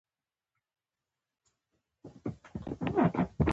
افغانستان په خپلو انګورو باندې پوره تکیه لري.